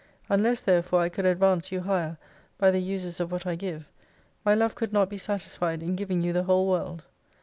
Unless therefore I could advance you higher by the uses of what I give, my Love could not be satisfied in giving you the whole world.